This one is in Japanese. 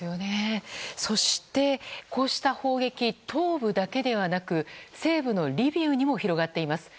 そして、こうした砲撃東部だけではなく西部のリビウにも広がっています。